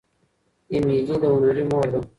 ایمیلي د هنري مور ده.